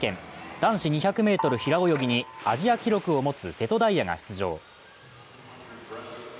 男子２００ｍ平泳ぎにアジア記録を持つ瀬戸大也が出場。